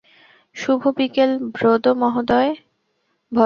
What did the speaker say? শুভ-বিকেল ভদ্রমহোদয় গণ।